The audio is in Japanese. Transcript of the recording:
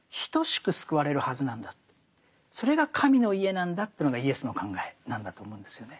それが神の家なんだっていうのがイエスの考えなんだと思うんですよね。